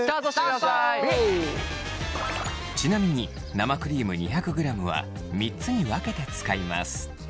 ちなみに生クリーム２００ｇは３つに分けて使います。